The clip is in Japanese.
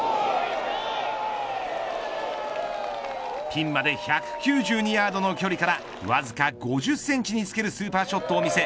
ピンまで１９２ヤードの距離からわずか５０センチにつけるスーパーショットを見せ